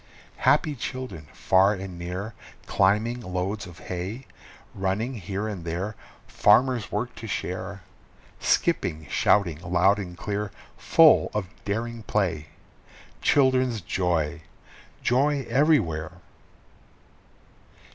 Happy children far and near climbing loads of hay, Running here and there. Farmer's work to share, Skipping, shouting loud and clear, full of daring play Children's joy! Joy everywhere!